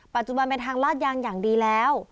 ปัจจุบันเป็นทางลาดยางอย่างดีแล้ว